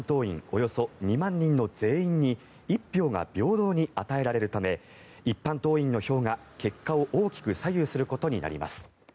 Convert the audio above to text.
およそ２万人の全員に１票が平等に与えられるため一般党員の票が結果を大きく左右することになります。